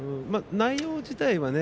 内容自体はね